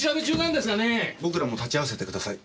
僕らも立ち会わせてください。